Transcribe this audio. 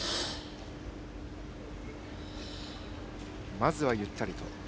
まずはゆったりと。